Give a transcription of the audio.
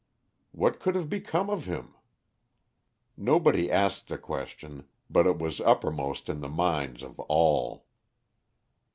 What could have become of him? Nobody asked the question, but it was uppermost in the minds of all.